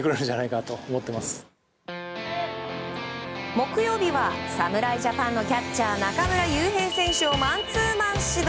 木曜日は侍ジャパンのキャッチャー中村悠平選手をマンツーマン指導。